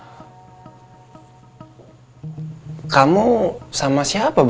urusan bayi itu bukan masalah sepele indri